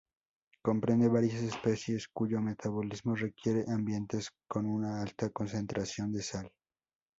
Comprende varias especies cuyo metabolismo requiere ambientes con una alta concentración de sal.